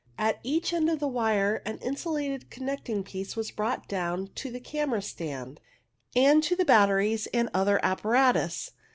At each end of the wire an insulated connecting piece was brought down to the camera stand, and to the batteries and other apparatus.